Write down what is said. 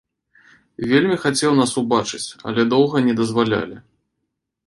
Вельмі хацеў нас убачыць, але доўга не дазвалялі.